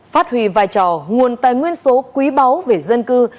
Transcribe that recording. phát huy vai trò nguồn tài nguyên số quý báu về dân cư